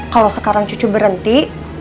kalau sekarang cucu berhenti